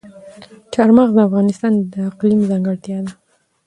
چار مغز د افغانستان د اقلیم ځانګړتیا ده.